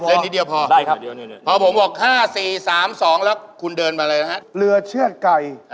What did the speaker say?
อะไรครับบทอย่างนี้